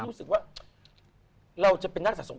คุณรู้สึกว่าเราจะเป็นนักศาสน